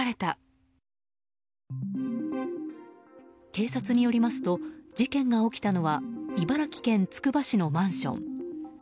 警察によりますと事件が起きたのは茨城県つくば市のマンション。